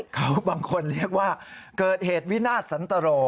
เขาบางคนเรียกว่าเกิดเหตุวินาศสันตรโร